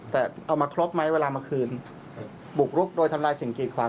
แต่เอามาครบไหมเวลามาคืนบุกรุกโดยทำลายสิ่งกีดขวาง